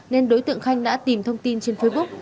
nên đối tượng khanh đã tìm thông tin trên facebook